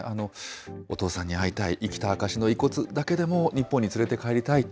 お父さんに会いたい、生きた証の遺骨だけでも日本に連れて帰りたい。